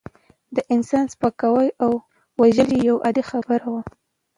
د انسان سپکاوی او وژل یوه عادي خبره وه.